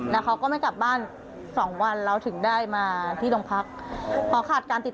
แล้วเขาก็ไม่กลับบ้านสองวันเราถึงได้มาที่โรงพักพอขาดการติด